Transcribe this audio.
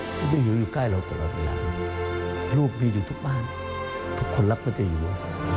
พระเจ้าอยู่อยู่ใกล้เราตลอดเวลาลูกมีอยู่ทุกบ้านทุกคนรักพระเจ้าอยู่